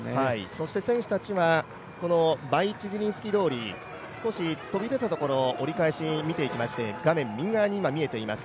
そして選手たちはこの少し飛び出たところ、折り返し見ていきまして、右側に見えています。